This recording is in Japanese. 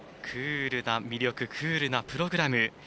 クールな魅力クールなプログラム。